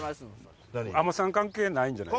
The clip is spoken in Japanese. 海女さん関係ないんじゃない？